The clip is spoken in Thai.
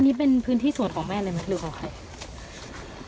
อันนี้เป็นพื้นที่สวดของแม่หรือของใคร